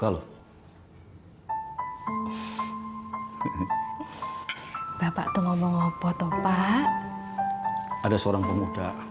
ada seorang pemuda